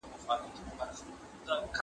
¬ و گټه، پيل وخوره.